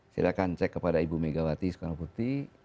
silahkan cek kepada ibu megawati soekarno pukti